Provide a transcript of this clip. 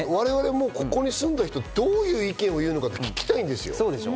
ここに住んだ人、どういう意見を言うのか聞きたいです。